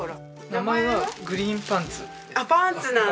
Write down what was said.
名前はグリーンパンツです。